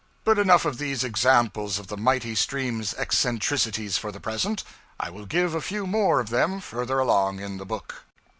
But enough of these examples of the mighty stream's eccentricities for the present I will give a few more of them further along in the book.